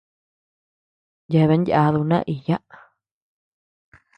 Yebean yáduu naiyaa.